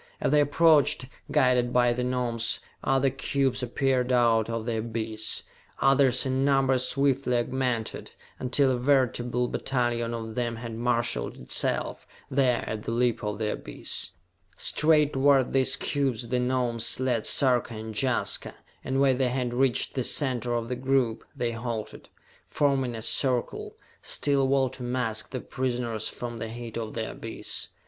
As they approached, guided by the Gnomes, other cubes appeared out of the abyss, others in numbers swiftly augmented, until a veritable battalion of them had marshalled itself, there at the lip of the abyss. Straight toward these cubes the Gnomes led Sarka and Jaska, and when they had reached the center of the group, they halted, forming a circle, still a wall to mask the prisoners from the heat of the abyss.